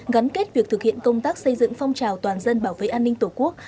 gắn kết việc thực hiện công tác xây dựng phong trào toàn dân bảo vệ an ninh tổ quốc